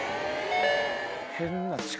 変な力。